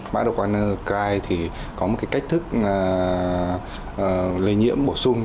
mã độc của warner crye có một cách thức lây nhiễm bổ sung